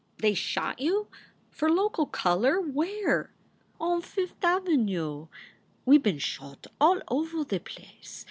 "They shot you for local color ! Where ?" "On Fith Avenyeh. We been shot all over the place.